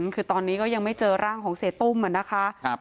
คือตอนนี้ก็ยังไม่เจอร่างของเสียตุ้มนะคะ